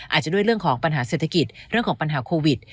อาจจะด้วยเรื่องของปัญหาเศรษฐกิจเรื่องของปัญหาโควิด